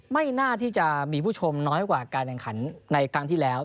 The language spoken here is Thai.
ไม่น่าที่จะมีผู้ชมน้อยกว่าการแข่งขันในครั้งที่แล้ว